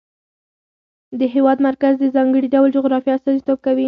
د هېواد مرکز د ځانګړي ډول جغرافیه استازیتوب کوي.